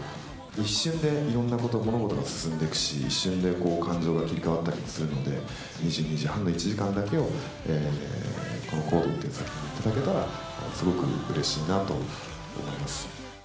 一瞬でいろんな物事が進んでいくし、一瞬で感情が切り替わったりするので、２２時半の１時間だけは、このＣＯＤＥに頂けたら、すごくうれしいなと思います。